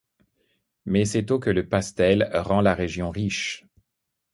Mais c'est au que le pastel rend la région riche.